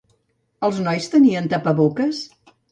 Els nois tenien tapaboques?